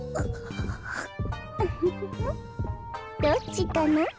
どっちかな？